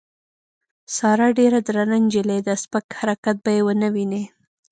ساره ډېره درنه نجیلۍ ده سپک حرکت به یې ونه وینې.